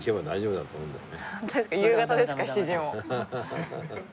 大丈夫だよ